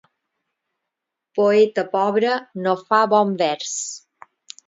Poeta pobre no fa bon vers.